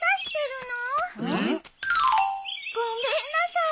ん？ごめんなさい。